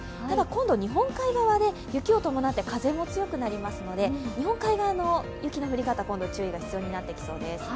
ただ今度、日本海側で雪を伴なって風も強くなりますので日本海側の雪の降り方注意が必要になってきます。